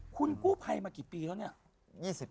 คุณกู้ภัยมากี่ปีแล้วเนี่ย